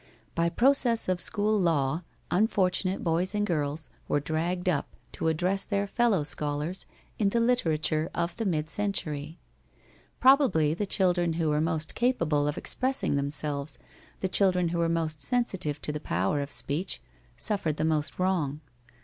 By process of school law, unfortunate boys and girls were dragged up to address their fellow scholars in the literature of the mid century. Probably the children who were most capable of expressing themselves, the children who were most sensitive to the power of speech, suffered the most wrong.